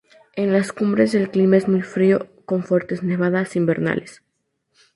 En las cumbres el clima es muy frío, con fuertes nevadas invernales.